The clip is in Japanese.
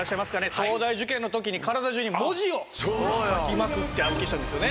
東大受験の時に体中に文字を書きまくって暗記したんですよね。